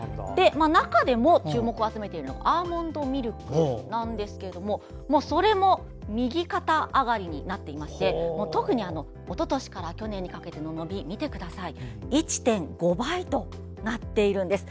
中でも今、注目を集めているのがアーモンドミルクなんですがそれも右肩上がりになっていまして特におととしから去年にかけての伸び１．５倍になっているんです。